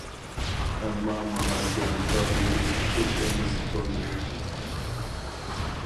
ئەمما ماڭا جەنۇبقا بېرىش تېخىچە نېسىپ بولمىدى.